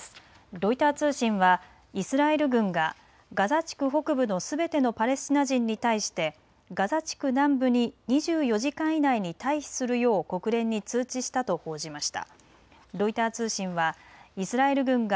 ロイター通信はイスラエル軍がガザ地区北部のすべてのパレスチナ人に対してガザ地区南部に２４時間以内に退避するよう国連に通知したと報じました。